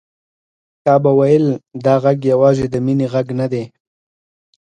تا به ويل چې دا غږ يوازې د مينې غږ نه دی.